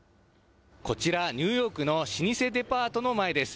こちら、ニューヨークの老舗デパートの前です。